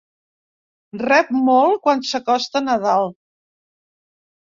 Rep molt quan s'acosta Nadal.